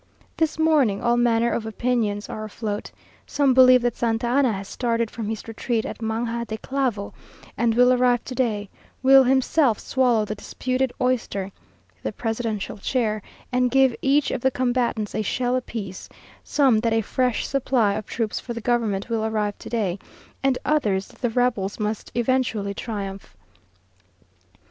This morning all manner of opinions are afloat. Some believe that Santa Anna has started from his retreat at Manga de Clavo, and will arrive to day will himself swallow the disputed oyster (the presidential chair), and give each of the combatants a shell apiece; some that a fresh supply of troops for the government will arrive to day, and others that the rebels must eventually triumph.